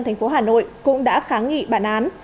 tp hà nội cũng đã kháng nghị bản án